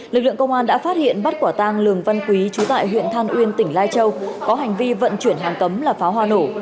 lực lượng công an đã phát hiện bắt quả tang lường văn quý chú tại huyện than uyên tỉnh lai châu có hành vi vận chuyển hàng cấm là pháo hoa nổ